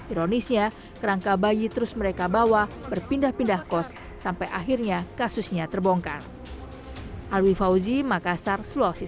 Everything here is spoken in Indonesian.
ironisnya kerangka bayi terus mereka bawa berpindah pindah kos sampai akhirnya kasusnya terbongkar